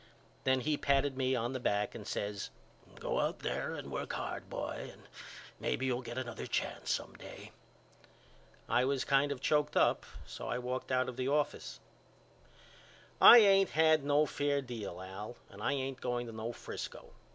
Then he patted me on the back and says Go out there and work hard boy and maybe you'll get another chance some day. I was kind of choked up so I walked out of the office. I ain't had no fair deal Al and I ain't going to no Frisco.